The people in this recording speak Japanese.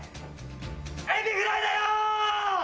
エビフライだよ！